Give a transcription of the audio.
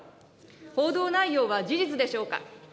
報道内容は事実でしょうか。